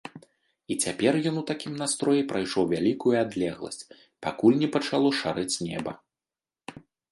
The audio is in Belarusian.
І цяпер ён у такім настроі прайшоў вялікую адлегласць, пакуль не пачало шарэць неба.